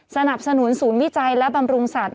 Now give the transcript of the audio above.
สนับสนุนศูนย์วิจัยและบำรุงสัตว